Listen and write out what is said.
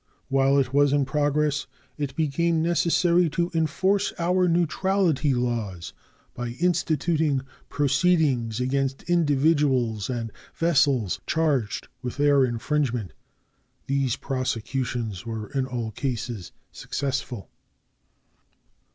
While it was in progress it became necessary to enforce our neutrality laws by instituting proceedings against individuals and vessels charged with their infringement. These prosecutions were in all cases successful.